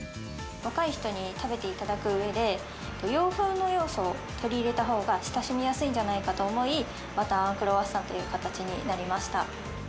若い人に食べていただくうえで、洋風の要素を取り入れたほうが親しみやすいんじゃないかと思い、バターあんクロワッサンという形になりました。